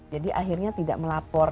jadi akhirnya tidak melapor